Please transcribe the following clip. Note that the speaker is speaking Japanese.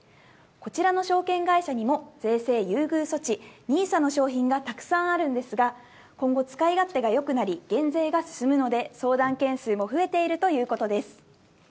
こちらの証券会社にも、税制優遇措置、ＮＩＳＡの商品がたくさんあるんですが、今後、使い勝手がよくなり、減税が進むので、相談件数も増えているということです。